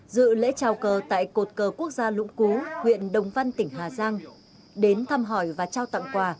dự lễ trào cờ tại cột cờ quốc gia lũng cú huyện đồng văn tỉnh hà giang đến thăm hỏi và trao tặng quà